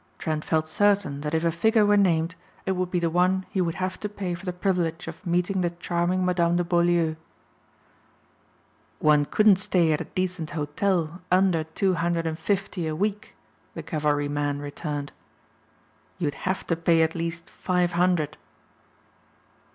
Trent felt certain that if a figure were named it would be the one he would have to pay for the privilege of meeting the charming Madame de Beaulieu. "One couldn't stay at a decent hotel under two hundred and fifty a week," the cavalryman returned. "You'd have to pay at least five hundred."